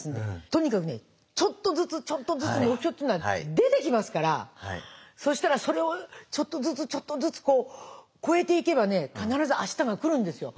とにかくねちょっとずつちょっとずつ目標っていうのは出てきますからそしたらそれをちょっとずつちょっとずつこう超えていけばね必ず明日が来るんですよ。